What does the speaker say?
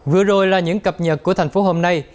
vừa rồi là những cập nhật của tp hôm nay